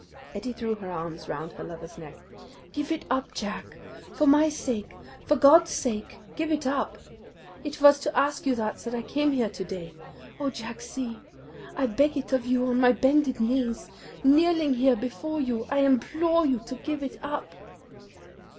Ettie threw her arms round her lover's neck. "Give it up, Jack! For my sake, for God's sake, give it up! It was to ask you that I came here to day. Oh, Jack, see I beg it of you on my bended knees! Kneeling here before you I implore you to give it up!"